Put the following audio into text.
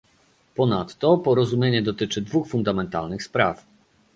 Ponadto, porozumienie dotyczy dwóch fundamentalnych spraw